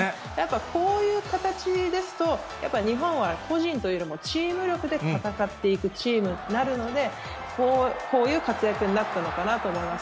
だからこういう形ですと、日本は個人よりも、チームで戦っていくチームになるので、こういう活躍になったのかなと思います。